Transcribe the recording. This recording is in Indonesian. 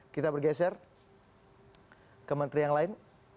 kita bergeser ke menteri yang lain